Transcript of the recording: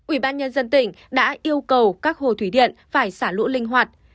ubnd tỉnh đã yêu cầu các hồ thủy điện phải xả lũ linh hoạt